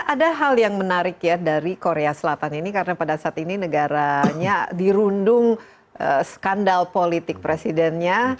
ada hal yang menarik ya dari korea selatan ini karena pada saat ini negaranya dirundung skandal politik presidennya